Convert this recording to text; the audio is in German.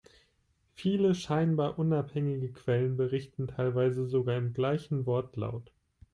Viele scheinbar unabhängige Quellen, berichten teilweise sogar im gleichen Wortlaut.